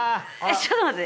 ちょっと待って。